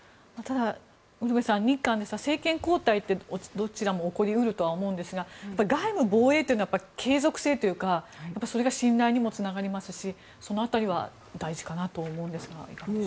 ウルヴェさん日韓で政権交代ってどちらも起こり得ると思うんですが外務・防衛というのは継続性というかそれが信頼にもつながりますしその辺りは大事かなと思うんですがいかがでしょうか。